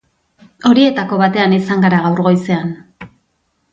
Horietako batean izan gara gaur goizean.